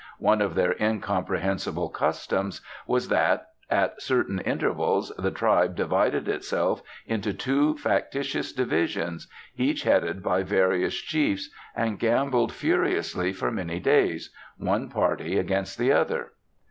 One of their incomprehensible customs was that at certain intervals the tribe divided itself into two factitious divisions, each headed by various chiefs, and gambled furiously for many days, one party against the other.